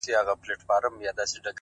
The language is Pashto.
زما په زړه باندې لمبه راځي او ټکه راځي’